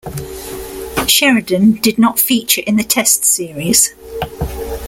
Sheridan did not feature in the Test series.